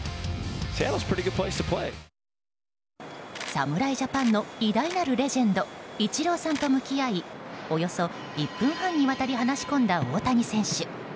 侍ジャパンの偉大なるレジェンドイチローさんと向き合いおよそ１分半にわたり話し込んだ大谷選手。